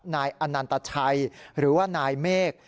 นายอนันตชัยหรือว่านายเมฆ